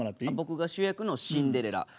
あっ僕が主役のシンデレラ。